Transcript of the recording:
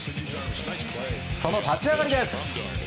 その立ち上がりです。